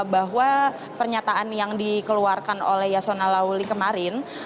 bahwa pernyataan yang dikeluarkan oleh yasona lauli kemarin